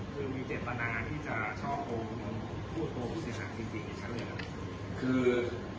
คือมีเจ็บปัญหาที่จะชอบโครงพูดโครงพิษฐานจริงในชั้นเลยหรือเปล่า